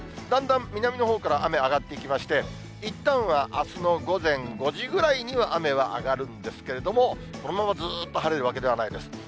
だんだん南のほうから雨上がっていきまして、いったんはあすの午前５時ぐらいには雨は上がるんですけれども、このままずーっと晴れるわけではないです。